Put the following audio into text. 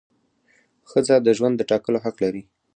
ښځه د ژوند د ټاکلو حق لري.